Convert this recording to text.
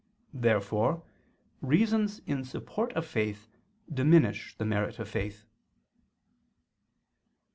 Therefore reasons in support of faith diminish the merit of faith.